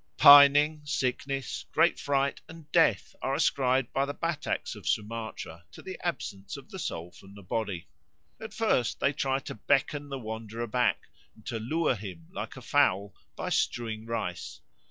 Pining, sickness, great fright, and death are ascribed by the Bataks of Sumatra to the absence of the soul from the body. At first they try to beckon the wanderer back, and to lure him, like a fowl, by strewing rice.